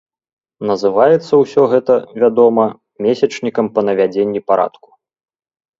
Называецца ўсё гэта, вядома, месячнікам па навядзенні парадку.